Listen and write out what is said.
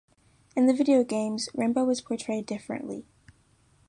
In the video games, Rainbow is portrayed differently.